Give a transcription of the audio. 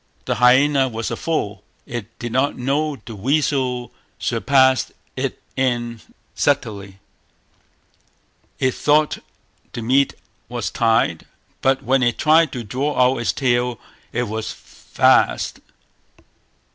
The hyaena was a fool, it did not know the weasel surpassed it in subtlety; it thought the meat was tied; but when it tried to draw out its tail, it was fast.